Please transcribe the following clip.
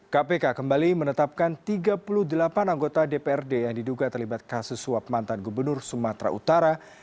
kpk kembali menetapkan tiga puluh delapan anggota dprd yang diduga terlibat kasus suap mantan gubernur sumatera utara